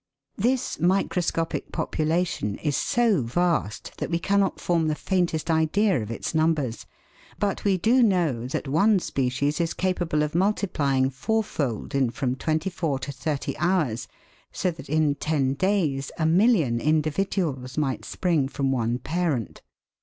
This microscopic population is so vast that we cannot form the faintest idea of its numbers, but we do know that one species is capable of multiplying four fold in from twenty four to thirty hours, so that in ten days a million individuals might spring from one parent.